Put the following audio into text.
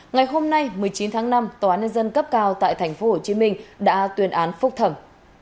ngày hôm nay một mươi chín tháng năm tòa án nhân dân cấp cao tại tp hcm đã tuyên án phúc thẩm